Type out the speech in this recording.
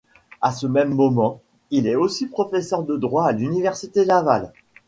À ce même moment, il est aussi professeur de droit à l'Université Laval.